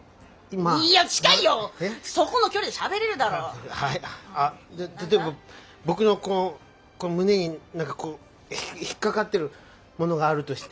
じゃあ例えば僕のこの胸に何かこう引っかかってるものがあるとして。